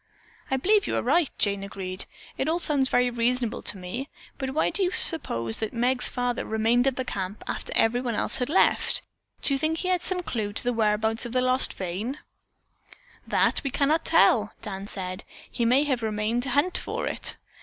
"I believe you are right," Jane agreed. "It all sounds very reasonable to me. But why do you suppose Meg's father remained at the camp after everyone else had left? Do you think he had some clue to the whereabouts of the lost vein?" "That we cannot tell," Dan said. "He may have remained to hunt for it."